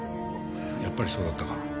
やっぱりそうだったか。